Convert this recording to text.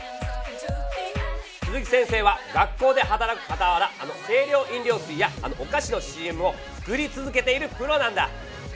鈴木先生は学校で働くかたわらあの清涼飲料水やあのおかしのＣＭを作り続けているプロなんだ。